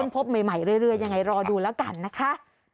พบใหม่เรื่อยยังไงรอดูแล้วกันนะคะ